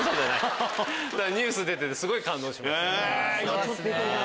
ニュース出ててすごい感動しました。